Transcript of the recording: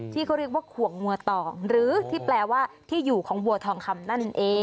ที่เขาเรียกว่าขวงวัวตองหรือที่แปลว่าที่อยู่ของบัวทองคำนั่นเอง